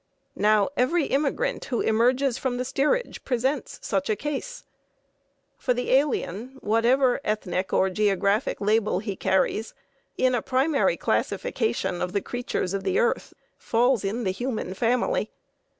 Now every immigrant who emerges from the steerage presents such a case. For the alien, whatever ethnic or geographic label he carries, in a primary classification of the creatures of the earth, falls in the human family.